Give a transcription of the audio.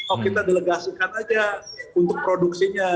oh kita delegasikan aja untuk produksinya